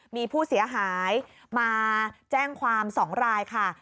มีผู้เสียหายมาแจ้งความ๒รายค่ะ